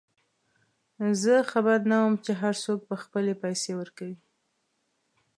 زه خبر نه وم چې هرڅوک به خپلې پیسې ورکوي.